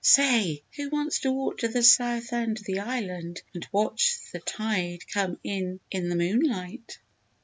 "Say, who wants to walk to the south end of the island and watch the tide come in in the moonlight?"